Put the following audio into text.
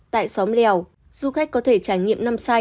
tại xóm lèo du khách có thể trải nghiệm năm sai